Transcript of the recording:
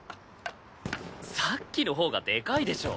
さっきのほうがでかいでしょ。